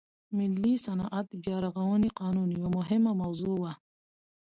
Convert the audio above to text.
ملي صنعت بیا رغونې قانون یوه مهمه موضوع وه.